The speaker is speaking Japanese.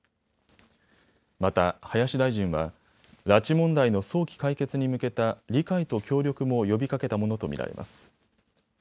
また林大臣は拉致問題の早期解決に向けた理解と協力も呼びかけたものと見られます。